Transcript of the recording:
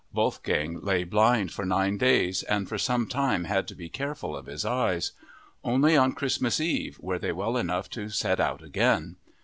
Wolfgang lay blind for nine days and for some time had to be careful of his eyes. Only on Christmas Eve were they well enough to set out again.